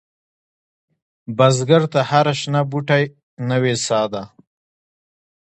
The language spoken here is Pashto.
بزګر ته هره شنه بوټۍ نوې سا ده